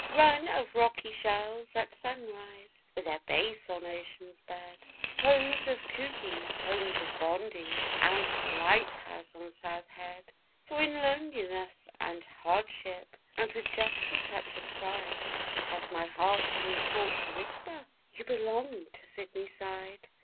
Run of rocky shelves at sunrise, with their base on ocean's bed; Homes of Coogee, homes of Bondi, and the lighthouse on South Head; For in loneliness and hardship and with just a touch of pride Has my heart been taught to whisper, 'You belong to Sydney Side.